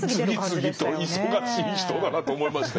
次々と忙しい人だなと思いましたよええ。